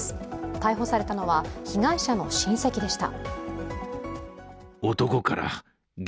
逮捕されたのは被害者の親戚でした。